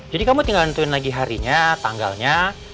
jadi kamu tinggal nentuin lagi harinya tanggalnya